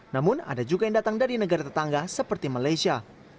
namun ada juga yang datang dari negara tetangga seperti malaysia